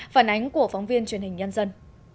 phản ánh của phóng viên truyền hình nhân dân